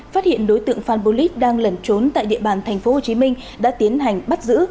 phát hiện đối tượng phan polis đang lẩn trốn tại địa bàn tp hcm đã tiến hành bắt giữ